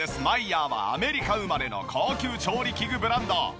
マイヤーはアメリカ生まれの高級調理器具ブランド。